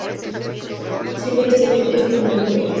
Siempre estás en medio, como el jueves